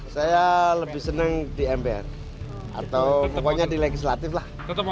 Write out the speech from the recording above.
saya lebih senang di mpr atau pokoknya di legislatif lah